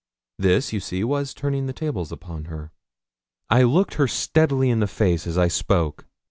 This, you see, was turning the tables upon her. I looked her steadily in the face as I spoke.